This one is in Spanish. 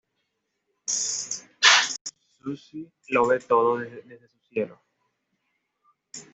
Susie lo ve todo "desde su cielo".